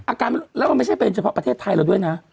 แล้วมันไม่ใช่เป็นเฉพาะประเทศไทยเราด้วยนะ